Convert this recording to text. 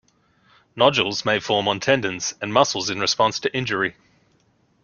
Nodules may form on tendons and muscles in response to injury.